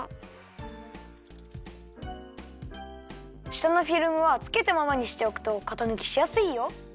したのフィルムはつけたままにしておくとかたぬきしやすいよ。